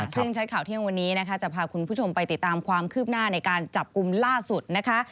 ซึ่งชัดข่าวเที่ยงวันนี้นะคะจะพาคุณผู้ชมไปติดตามความคืบหน้าในการจับกลุ่มล่าสุดนะคะ